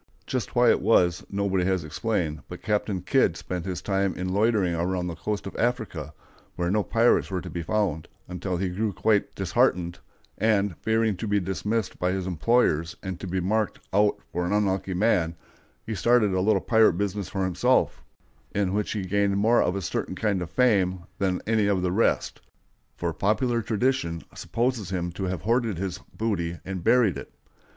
Just why it was, nobody has explained, but Captain Kidd spent his time in loitering around the coast of Africa, where no pirates were to be found, until he grew quite disheartened, and, fearing to be dismissed by his employers and to be "mark'd out for an unlucky man," he started a little pirate business for himself, in which he gained more of a certain kind of fame than any of the rest; for popular tradition supposes him to have hoarded his booty and buried it.